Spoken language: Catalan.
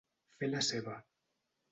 Fer la seva.